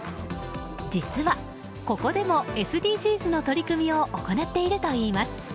実は、ここでもＳＤＧｓの取り組みを行っているといいます。